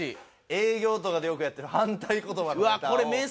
営業とかでよくやってる反対言葉のネタを。